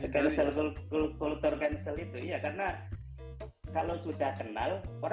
kalau sudah kenal orang akan nyari oh ini sedang kerja di mana